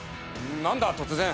何だ突然。